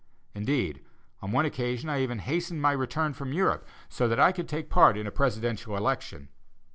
Indeed, on one occasion, I even hastened my return from Europe, so that I could take part in a presidential election.